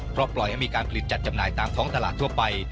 เพราะปล่อยให้มีการผลิตจัดจำหน่ายตามท้องตลาดทั่วไป